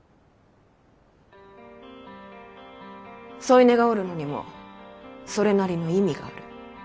添い寝がおるのにもそれなりの意味がある。